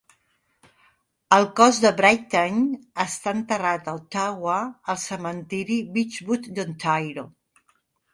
El cos de Brittain està enterrat a Ottawa, al cementiri Beechwood d'Ontario.